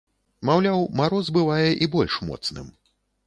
Маўляў, мароз бывае і больш моцным.